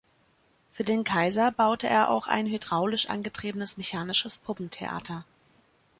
Für den Kaiser baute er auch ein hydraulisch angetriebenes mechanisches Puppentheater.